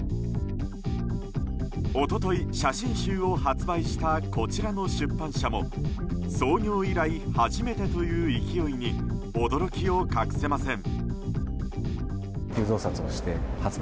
一昨日、写真集を発売したこちらの出版社も創業以来初めてという勢いに驚きを隠せません。